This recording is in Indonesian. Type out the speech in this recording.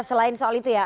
selain soal itu ya